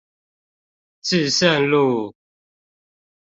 至聖路